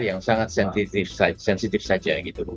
yang sangat sensitif saja